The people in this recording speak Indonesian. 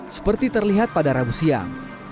seperti terlihat pada rabu siang